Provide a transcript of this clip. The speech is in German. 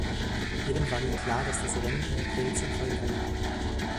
Jedem war nun klar, dass das „Rennen um die Pelze“ in vollem Gange war.